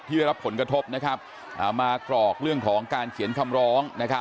ได้รับผลกระทบมากรอกเรื่องของการเขียนคำร้อง